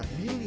jalan sila ya